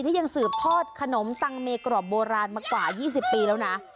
ยังสืบทอดขนมตังเมกรอบโบราณมากว่า๒๐ปีแล้วนะ